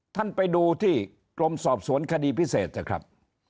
ท่านไปดูที่กรมสอบสวนคดีพิเศษเถอะครับ